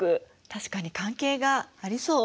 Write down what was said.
確かに関係がありそう？